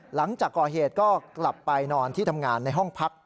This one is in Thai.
หลังจากก่อเหตุก็กลับไปนอนที่ทำงานในห้องพัก